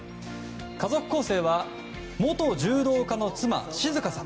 家族構成は元柔道家の妻・志津香さん